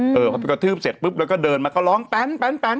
เออพอไปกระทืบเสร็จปุ๊บแล้วก็เดินมาก็ร้องแป๊น